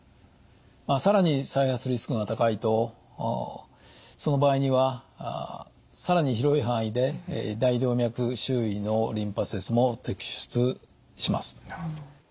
さらに再発リスクが高いとその場合にはさらに広い範囲で大動脈周囲のリンパ節も摘出します。